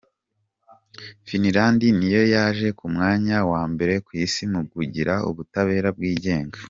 Finland niyo yaje ku mwanya wa mbere ku isi mu kugira ubutabera bwigenga.